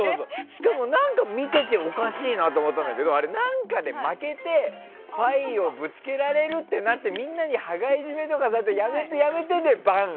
しかも見てておかしいなって思ったんだけどあれ、何かに負けてパイをぶつけられるってなってみんなに羽交い締めとかされててやめてやめてでバン！